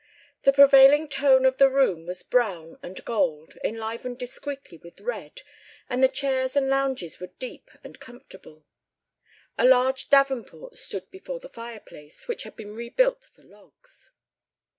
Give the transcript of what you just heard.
The prevailing tone of the room was brown and gold, enlivened discreetly with red, and the chairs and lounges were deep and comfortable. A large davenport stood before the fireplace, which had been rebuilt for logs.